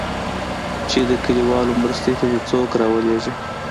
چې د كليوالو مرستې ته دې څوك راولېږي.